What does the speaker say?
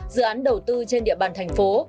dự án đầu tư trên địa bàn tp